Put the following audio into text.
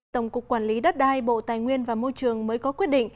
tổng cục quản lý đất đai bộ tài nguyên và môi trường mới có quyết định